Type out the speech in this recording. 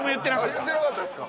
あっ言ってなかったっすか？